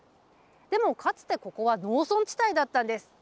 でもかつてここは農村地帯だったんです。